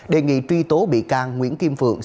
đề nghị truy tố bị can nguyễn kim phượng